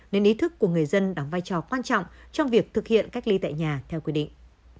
nên ý thức của người dân đóng vai trò quan trọng trong việc thực hiện cách ly tại nhà theo quy định